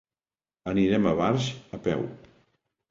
Anirem a Barx a peu.